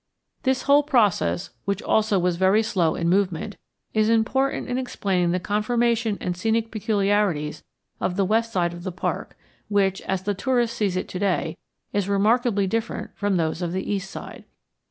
This whole process, which also was very slow in movement, is important in explaining the conformation and scenic peculiarities of the west side of the park, which, as the tourist sees it to day, is remarkably different from those of the east side.